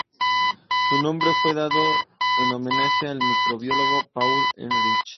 Su nombre fue dado en homenaje al microbiólogo Paul Ehrlich.